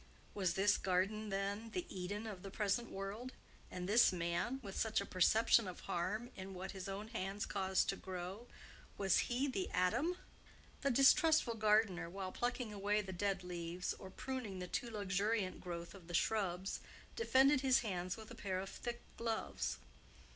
Was this garden, then, the Eden of the present world? And this man, with such a perception of harm in what his own hands caused to grow,—was he the Adam? The distrustful gardener, while plucking away the dead leaves or pruning the too luxuriant growth of the shrubs, defended his hands with a pair of thick gloves.